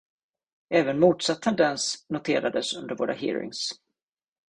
Även motsatt tendens noterades under våra hearings.